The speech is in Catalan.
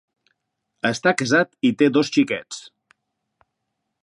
Està casat i té dos xiquets.